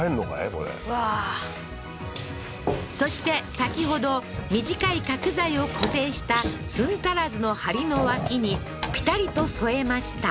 これうわーそして先ほど短い角材を固定した寸足らずの梁の脇にピタリと添えました